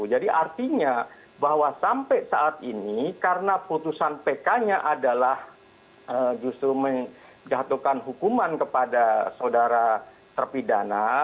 jadi artinya bahwa sampai saat ini karena putusan pk nya adalah justru menggatuhkan hukuman kepada saudara terpidana